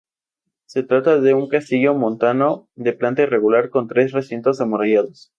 Se trata de un castillo montano de planta irregular, con tres recintos amurallados.